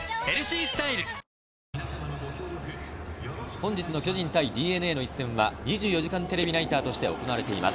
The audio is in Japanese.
本日の巨人対ＤｅＮＡの一戦は２４時間テレビナイターとして行われています。